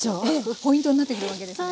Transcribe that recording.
ポイントになってくるわけですね。